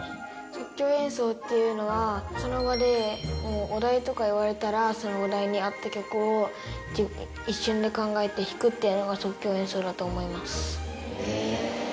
即興演奏っていうのはその場でお題とか言われたらそのお題に合った曲を一瞬で考えて弾くっていうのが即興演奏だと思います。